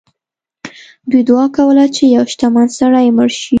دوی دعا کوله چې یو شتمن سړی مړ شي.